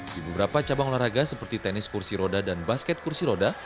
di beberapa cabang olahraga seperti tenis kursi roda dan basket kursi roda